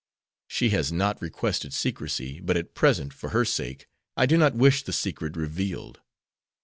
"She has not requested secrecy, but at present, for her sake, I do not wish the secret revealed.